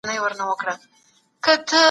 د احمد شاه ابدالي د واکمنۍ اغېزې څه وې؟